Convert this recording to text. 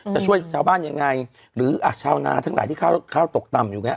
จะช่วยชาวบ้านยังไงหรือชาวนาทั้งหลายที่ข้าวตกต่ำอยู่ไง